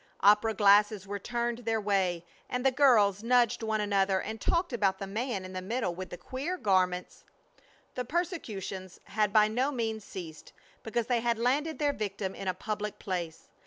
Opera glasses were turned their way, and the girls nudged one another and talked about the man in the middle with the queer garments. The persecutions had by no means ceased because they had landed their victim in a public place.